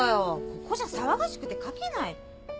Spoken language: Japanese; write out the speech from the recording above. ここじゃ騒がしくて描けない